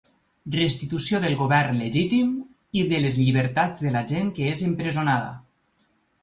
Restitució del govern legítim i de les llibertats de la gent que és empresonada.